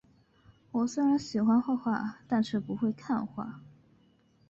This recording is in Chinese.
我虽然喜欢画画，但却不会看画